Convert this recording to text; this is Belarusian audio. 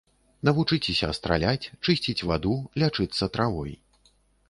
Навучыцеся страляць, чысціць ваду, лячыцца травой.